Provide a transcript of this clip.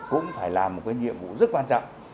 cũng phải làm một nhiệm vụ rất quan trọng